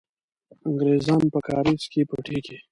انګریزان په کارېز کې پټېږي.